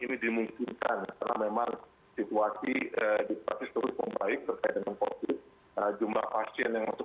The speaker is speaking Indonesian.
ini dimungkinkan karena memang situasi di perancis terlalu membaik terkait dengan covid sembilan belas